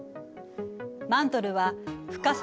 マントルは深さ